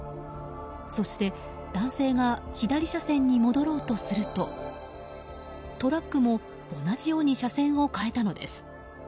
そして、男性が左車線に戻ろうとするとトラックも同じように車線を変えたのです。